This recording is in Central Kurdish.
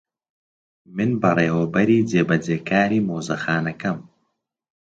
من بەڕێوەبەری جێبەجێکاری مۆزەخانەکەم.